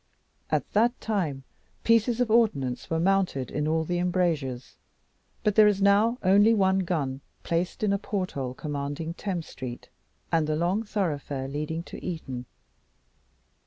At that time, pieces of ordnance were mounted in all the embrasures, but there is now only one gun, placed in a porthole commanding Thames Street, and the long thoroughfare leading to Eton.